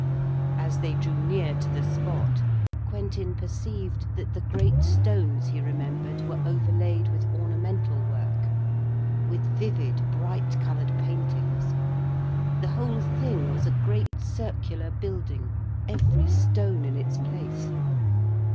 As they drew near to the spot Quentin perceived that the great stones he remembered were overlaid with ornamental work, with vivid, bright coloured paintings. The whole thing was a great circular building, every stone in its place.